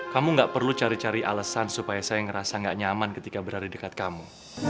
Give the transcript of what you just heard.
kamu gak perlu cari cari alasan supaya saya merasa gak nyaman ketika berada di dekat kamu